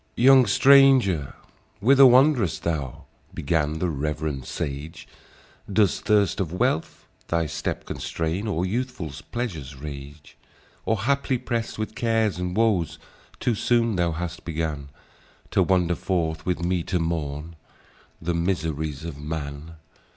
"Young stranger, whither wand'rest thou?" Began the rev'rend sage; "Does thirst of wealth thy step constrain, Or youthful pleasure's rage? Or haply, prest with cares and woes, Too soon thou hast began To wander forth, with me to mourn The miseries of man.